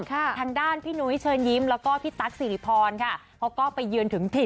ทางด้านพี่หนุ่มให้เชิญยิ้มแล้วก็พี่ตั๊กสี่หลิพรเขาก็ไปเยือนถึงที่